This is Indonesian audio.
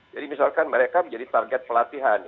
jadi misalkan mereka menjadi target pelatihan